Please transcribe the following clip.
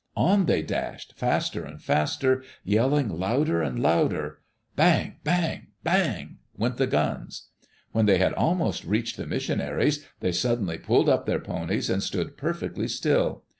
On they dashed, faster and faster, yelling louder and louder. Bang! Bang! Bang! went the guns. When they had almost reached the missionaries, they suddenly pulled up their ponies and stood perfectly still.